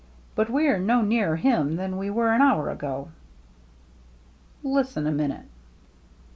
But we are no nearer him than we were an hour ago." " Listen a minute